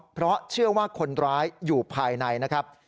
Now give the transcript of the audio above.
เพราะเชื่อว่าคนร้ายอยู่ภายในนะครับ